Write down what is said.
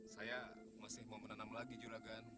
saya masih mau menanam lagi juragan